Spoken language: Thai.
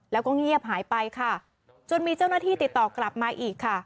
แล้วก็เงียบหายไปค่ะจนมีเจ้าหน้าที่ติดต่อกลับมาอีกค่ะ